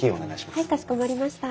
はいかしこまりました。